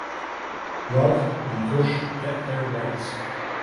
Luv and Kush get their rights.